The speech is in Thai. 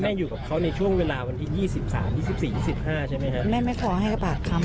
แม่อยู่กับเขาในช่วงเวลาวันที่ยี่สิบสามยี่สิบสี่ยี่สิบห้าใช่ไหมครับ